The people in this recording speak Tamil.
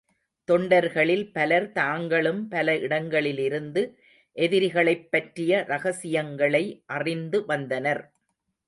தொண்டர்களில் பலர் தாங்களும் பல இடங்களிலிருந்து எதிரிகளைப் பற்றிய ரகசியங்களை அறிந்து வந்தனர்.